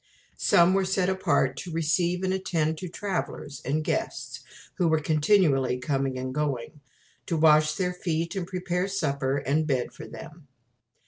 Some were set apart to receive and attend to travellers and guests, who were continually coming and going: to wash their feet, and prepare supper and bed for them.